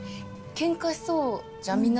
ケンカしそうじゃん